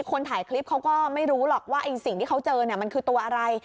คนถ่ายคลิปเขาก็ไม่รู้หรอกว่าไอ้สิ่งที่เขาเจอเนี่ยมันคือตัวอะไร